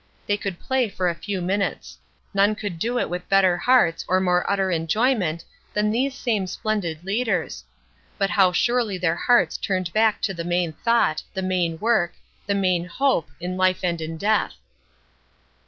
They could play for a few minutes none could do it with better hearts or more utter enjoyment than these same splendid leaders but how surely their hearts turned back to the main thought, the main work, the main hope, in life and in death.